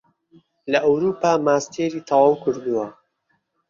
لە ئەوروپا ماستێری تەواو کردووە